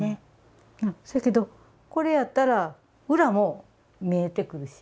そやけどこれやったら裏も見えてくるし。